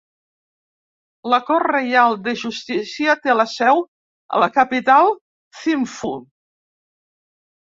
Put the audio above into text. La Cort Reial de Justícia té la seu a la capital Thimphu.